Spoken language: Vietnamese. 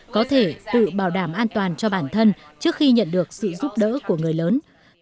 có thể tự bảo đảm an toàn cho bản thân trước khi nhận được sự giúp đỡ của người lớn